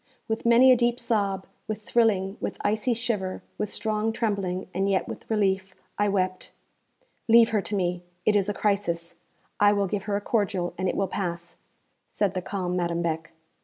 With many a deep sob, with thrilling, with icy shiver, with strong trembling, and yet with relief, I wept. 'Leave her to me; it is a crisis. I will give her a cordial, and it will pass,' said the calm Madame Beck.